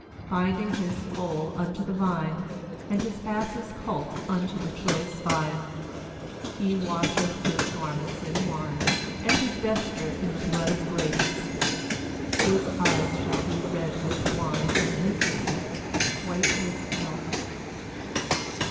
"Binding his foal unto the vine, And his ass's colt unto the choice vine; He washeth his garments in wine, And his vesture in the blood of grapes; MHis eyes shall be red with wine, And his teeth white with milk.